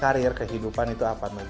karir yang pastinya aku berharap